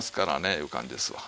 いう感じですわ。